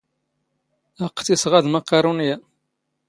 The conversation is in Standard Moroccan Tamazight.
ⴰⵇⵇ ⵜ ⵉⵙⵖⴰ ⴷ ⵎⴰⵇⴰⵔⵓⵏⵉⵢⴰ.